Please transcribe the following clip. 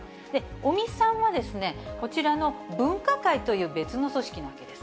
尾身さんは、こちらの分科会という別の組織なわけです。